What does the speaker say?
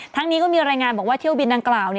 นี้ก็มีรายงานบอกว่าเที่ยวบินดังกล่าว